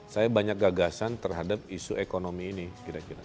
saya banyak gagasan terhadap isu ekonomi ini kira kira